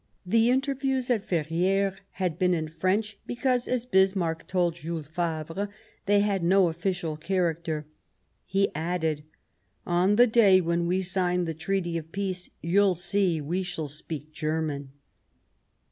The interviews at Ferrieres had been in French, because, as Bismarck told Jules Favre, they had no official character. He added : "On the day when we sign the Treaty of Peace, you'll see we shall speak German."